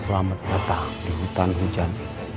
selamat datang di hutan hujan